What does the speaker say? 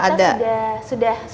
kalau kita sudah finish